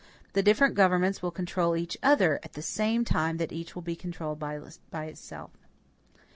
The different governments will control each other, at the same time that each will be controlled by itself.